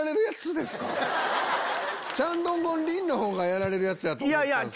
チャンドンゴンリンのほうがやられるやつやと思ったんすけど。